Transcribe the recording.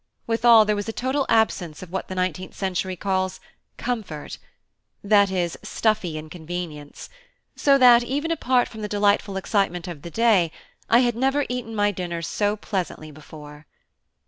Withal, there was a total absence of what the nineteenth century calls "comfort" that is, stuffy inconvenience; so that, even apart from the delightful excitement of the day, I had never eaten my dinner so pleasantly before.